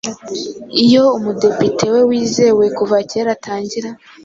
Iyo umudepite we wizewe kuva kera atangira